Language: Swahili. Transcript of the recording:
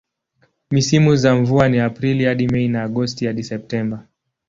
Misimu za mvua ni Aprili hadi Mei na Agosti hadi Septemba.